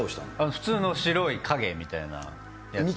普通の白い影みたいなやつで。